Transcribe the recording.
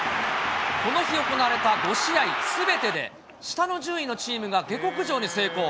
この日、行われた５試合すべてで、下の順位のチームが下剋上に成功。